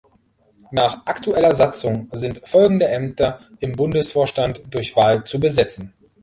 Nach aktueller Satzung sind folgende Ämter im Bundesvorstand durch Wahl zu besetzen:.